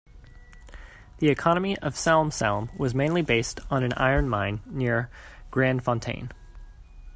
The economy of Salm-Salm was mainly based on an iron mine near Grandfontaine.